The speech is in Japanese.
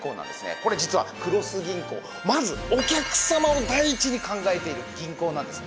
これ実は黒須銀行まずお客様を第一に考えている銀行なんです。